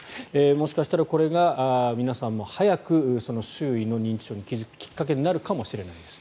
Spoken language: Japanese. もしかしたらこれが皆さんも早く周囲の認知症に気付くきっかけになるかもしれないです。